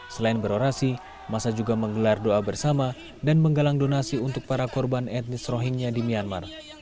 selain berorasi masa juga menggelar doa bersama dan menggalang donasi untuk para korban etnis rohingya di myanmar